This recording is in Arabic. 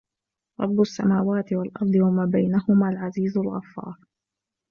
رَبُّ السَّمَاوَاتِ وَالْأَرْضِ وَمَا بَيْنَهُمَا الْعَزِيزُ الْغَفَّارُ